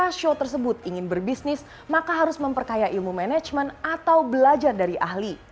karena show tersebut ingin berbisnis maka harus memperkaya ilmu manajemen atau belajar dari ahli